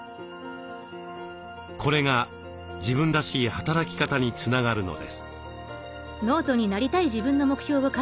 これが自分らしい働き方につながるのです。